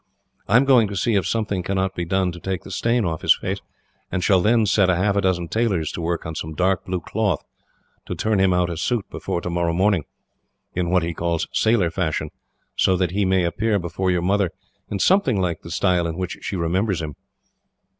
I am going to see if something cannot be done to take the stain off his face, and shall then set half a dozen tailors to work on some dark blue cloth, to turn him out a suit before tomorrow morning, in what he calls sailor fashion, so that he may appear before your mother in something like the style in which she remembers him."